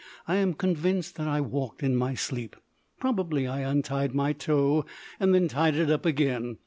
I am convinced that I walked in my sleep. Probably I untied my toe and then tied it up again.